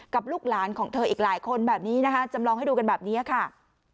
ลูกหลานของเธออีกหลายคนแบบนี้นะคะจำลองให้ดูกันแบบนี้ค่ะ